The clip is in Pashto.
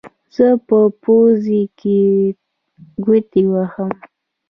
زه په پوزو کې ګوتې وهم.